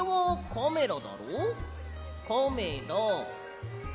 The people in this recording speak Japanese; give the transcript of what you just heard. カメラ。